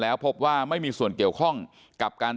แล้วก็ช่วยกันนำนายธีรวรรษส่งโรงพยาบาล